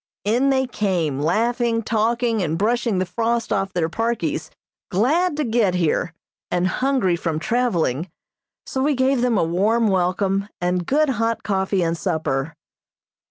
In they came, laughing, talking and brushing the frost off their parkies, glad to get here, and hungry from traveling, so we gave them a warm welcome, and good hot coffee and supper.